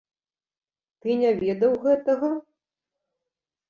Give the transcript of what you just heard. Ты не ведаў гэтага?